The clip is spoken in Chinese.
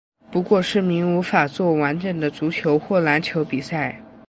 不过市民无法作完整的足球或篮球比赛。